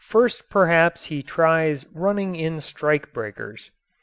First perhaps he tries running in strike breakers.